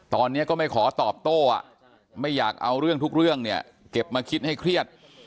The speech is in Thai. ตอนนี้ก็ไม่ขอตอบโต้ไม่อยากเอาเรื่องทุกเรื่องเนี่ยเก็บมาคิดให้เครียด